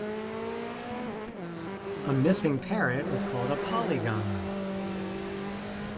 A missing parrot is called a polygon.